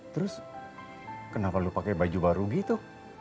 terus kenapa lo pake baju baru gitu